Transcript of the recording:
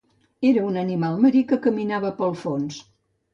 Era un animal marí que caminava pel fons.